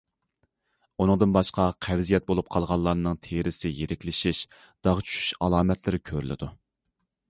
ئۇنىڭدىن باشقا، قەۋزىيەت بولۇپ قالغانلارنىڭ تېرىسى يىرىكلىشىش، داغ چۈشۈش ئالامەتلىرى كۆرۈلىدۇ.